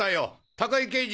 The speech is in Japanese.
高木刑事！